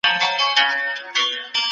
د خپلو احساساتو په کنټرول کي به بریا مومئ.